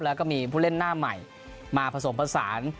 แล้วก็มีผู้เล่นหน้าใหม่มาผสมผสาน